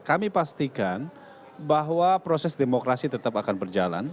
kami pastikan bahwa proses demokrasi tetap akan berjalan